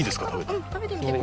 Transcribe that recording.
うん食べてみて。